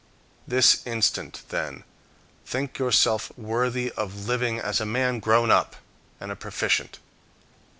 This instant, then, think yourself worthy of living as a man grown up, and a proficient.